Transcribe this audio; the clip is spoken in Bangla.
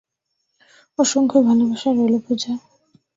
অসংখ ভালোবাসা রইলো, পূজা।